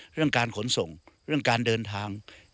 เรื่องการขนส่งเรื่องการเดินทาง